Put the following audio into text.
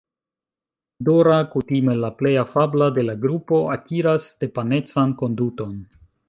Dora, kutime la plej afabla de la grupo, akiras Stepan-ecan konduton.